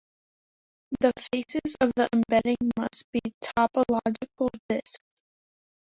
The faces of the embedding must be topological disks.